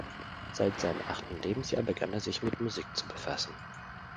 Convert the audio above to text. Seit seinem achten Lebensjahr begann er sich mit Musik zu befassen.